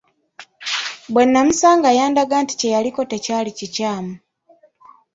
Bwe nnamusanga yandaga nti kye yaliko tekyali kikyamu.